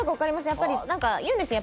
やっぱり何か言うんですよ